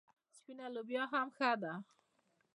سپینه لوبیا هم ښه ده.